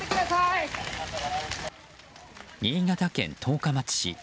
新潟県十日町市。